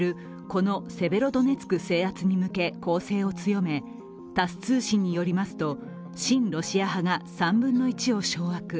このセベロドネツク制圧に向け攻勢を強め、タス通信によりますと親ロシア派が３分の１を掌握。